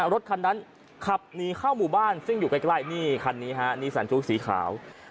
รถคันนั้นขับหนีเข้าหมู่บ้านซึ่งอยู่ใกล้นี่คันนี้ฮะนิสันจุสีขาว